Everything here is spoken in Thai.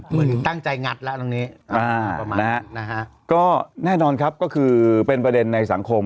เหมือนตั้งใจงัดแล้วตรงนี้นะฮะก็แน่นอนครับก็คือเป็นประเด็นในสังคม